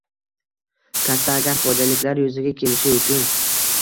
katta agrar xo‘jaliklar yuzaga kelishi uchun